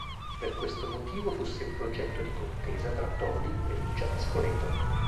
Per questo motivo, fu sempre oggetto di contesa tra Todi, Perugia e Spoleto.